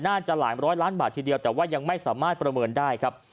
น่าจะหลายร้อยล้านบาททีเดียวแต่ว่ายังไม่สามารถประเมินได้ครับ